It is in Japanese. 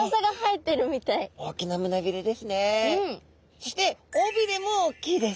そして尾びれも大きいです。